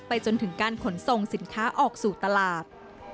จนถึงการขนส่งสินค้าออกสู่ตลาด